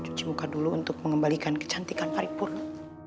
cuci muka dulu untuk mengembalikan kecantikan paripurna